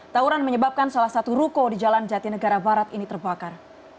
tawuran menyebabkan salah satu ruko di jalan jatinegara barat ini terbakar